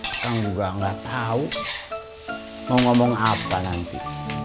akang juga gak tau mau ngomong apa nanti